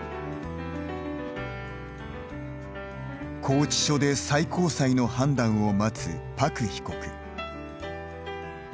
拘置所で最高裁の判断を待つ朴被告。